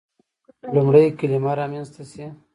لومړی کلمه رامنځته شي.